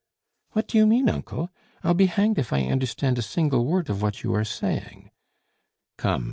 "What do you mean, uncle? I'll be hanged if I understand a single word of what you are saying." "Come!"